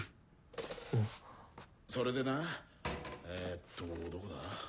それでなえっとどこだ？